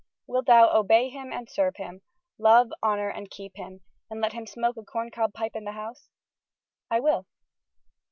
Wilt thou obey him and serve him, love, honor and keep him, and let him smoke a corncob pipe in the house?" "I will."